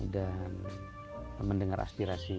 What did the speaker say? dan mendengar aspirasi